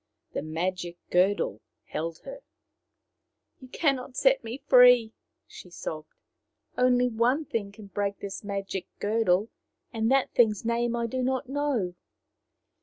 The magic girdle held her. " You cannot set me free," she sobbed. " Only one thing can break this magic girdle, and that thing's name I do not know."